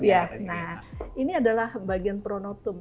iya nah ini adalah bagian pronotum